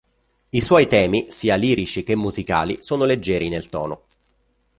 I suoi temi, sia lirici che musicali, sono leggeri nel tono.